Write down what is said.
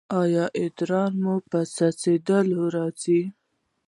ایا ادرار مو په څڅیدو راځي؟